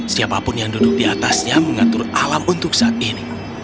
siapapun yang duduk di atasnya mengatur alam untuk sendiri